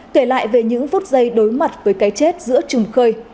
kể lại về những phút giây đối mặt với cái chết giữa trùng khơi